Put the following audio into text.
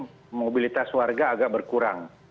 pada ppkm mobilitas warga agak berkurang